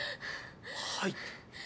はい。